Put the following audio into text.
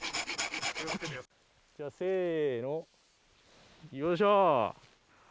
じゃせのよいしょ！